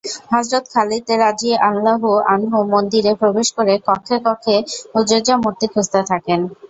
হযরত Khalid রাযিয়াল্লাহু আনহু মন্দিরে প্রবেশ করে কক্ষে কক্ষে উযযা মূর্তি খুঁজতে থাকেন।